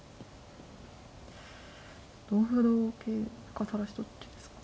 同歩同桂か垂らしどっちですか。